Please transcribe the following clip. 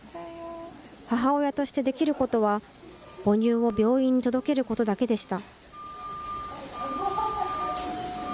母親としてできることは、母乳を病院に届けることだけでした。